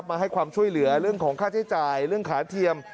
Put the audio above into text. มาให้ความช่วยเหลือเรื่องของค่าใช้จ่ายเรื่องขาเทียม